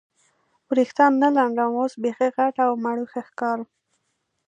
وریښتان نه لنډوم، اوس بیخي غټه او مړوښه ښکارم.